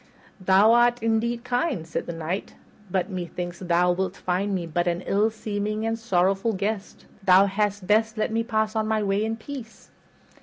"Thou art indeed kind," said the Knight, "but methinks thou wilt find me but an ill seeming and sorrowful guest. Thou hadst best let me pass on my way in peace."